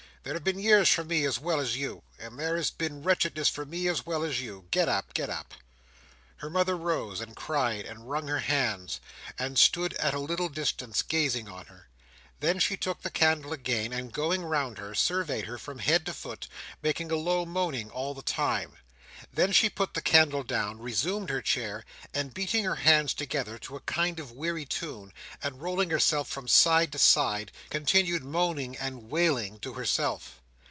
There have been years for me as well as you, and there has been wretchedness for me as well as you. Get up, get up!" Her mother rose, and cried, and wrung her hands, and stood at a little distance gazing on her. Then she took the candle again, and going round her, surveyed her from head to foot, making a low moaning all the time. Then she put the candle down, resumed her chair, and beating her hands together to a kind of weary tune, and rolling herself from side to side, continued moaning and wailing to herself.